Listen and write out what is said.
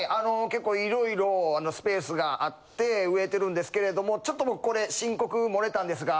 結構いろいろスペースがあって植えてるんですけれどもちょっと僕これ申告もれたんですが。